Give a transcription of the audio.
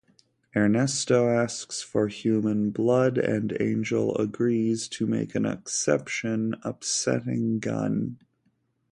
Ernesto asks for human blood and Angel agrees to make an exception, upsetting Gunn.